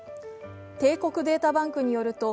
帝国データバンクによると